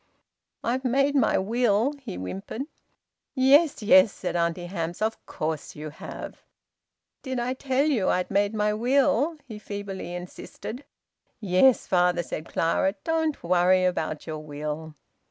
"I've made my will," he whimpered. "Yes, yes," said Auntie Hamps. "Of course you have!" "Did I tell you I'd made my will?" he feebly insisted. "Yes, father," said Clara. "Don't worry about your will."